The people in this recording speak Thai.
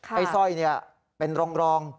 ไอ้สร้อยนี่เป็นรอง